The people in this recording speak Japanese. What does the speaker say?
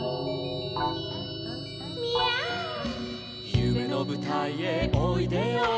「ゆめのぶたいへおいでよおいで」